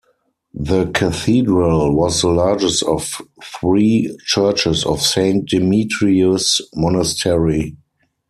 The cathedral was the largest of three churches of Saint Demetrius Monastery.